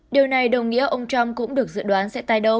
điều này đồng nghĩa ông trump cũng được dự đoán sẽ tai đấu